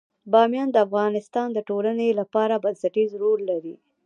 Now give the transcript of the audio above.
بامیان د افغانستان د ټولنې لپاره بنسټيز رول لري.